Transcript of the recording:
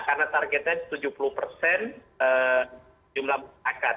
karena targetnya tujuh puluh persen jumlah masyarakat